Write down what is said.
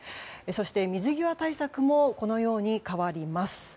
そして水際対策もこのように変わります。